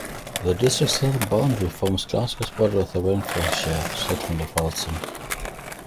The district's southern boundary forms Glasgow's border with the Renfrewshire settlement of Ralston.